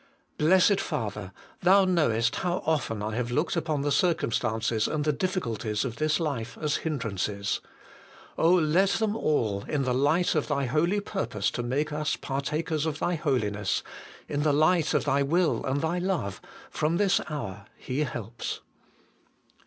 Blessed Father ! Thou knowest how often I have looked upon the circumstances and the diffi culties of this life as hindrances. Oh, let them all, in the light of Thy holy purpose to make us partakers of Thy Holiness, in the light of Thy Will and Thy Love, from this hour be helps.